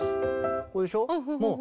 これでしょう。